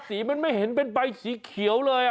สีมันไม่เห็นเป็นใบสีเขียวเลย